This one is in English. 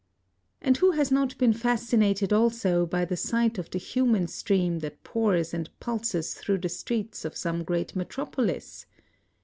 And who has not been fascinated also by the sight of the human stream that pours and pulses through the streets of some great metropolis?